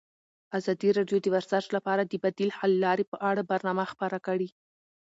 ازادي راډیو د ورزش لپاره د بدیل حل لارې په اړه برنامه خپاره کړې.